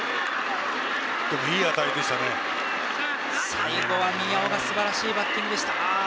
最後は宮尾がすばらしいバッティングでした。